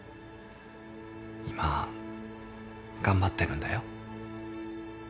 今頑張ってるんだよ。